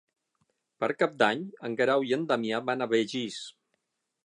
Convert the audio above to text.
Per Cap d'Any en Guerau i en Damià van a Begís.